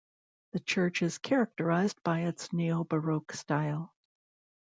The church is characterised by its neo-baroque style.